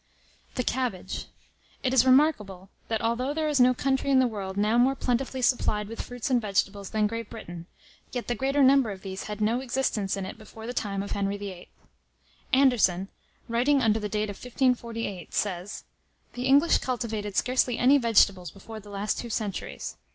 ] THE CABBAGE. It is remarkable, that although there is no country in the world now more plentifully supplied with fruits and vegetables than Great Britain, yet the greater number of these had no existence in it before the time of Henry VIII. Anderson, writing under the date of 1548, says, "The English cultivated scarcely any vegetables before the last two centuries.